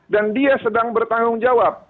dia sedang bertanggung jawab